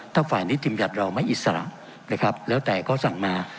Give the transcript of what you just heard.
ถ้าฝ่ายนิติบัญญัติเราไม่อิสระนะครับแล้วแต่ก็สั่งมา